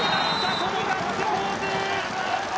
このガッツポーズ。